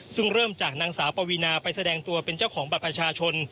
ซึ่งเริ่มจากนางสาวปวีนาไปแสดงตัวเป็นเจ้าของบัตรประชาชน